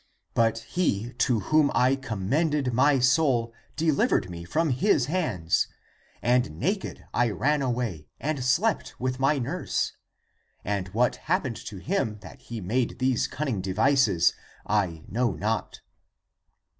But he to whom I commended my soul delivered me from his hands. And naked I ran away and slept with my nurse. But what happened to him that he made these cunning devices, I know not."